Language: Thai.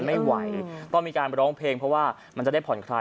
ไม่ไหวต้องมีการร้องเพลงเพราะว่ามันจะได้ผ่อนคลาย